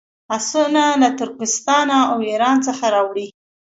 آسونه له ترکستان او ایران څخه راوړي.